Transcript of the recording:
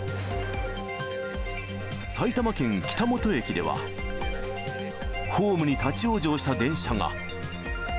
埼玉県北本駅では、ホームに立往生した電車が。